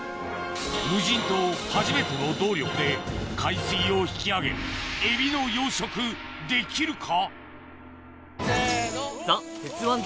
無人島初めての動力で海水を引き上げエビの養殖できるか⁉